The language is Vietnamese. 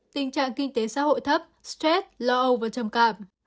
tình trạng kinh tế xã hội thấp stress lo âu và trầm cảm